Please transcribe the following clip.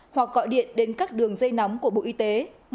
hoặc gọi điện đến các đường dây nóng của bộ y tế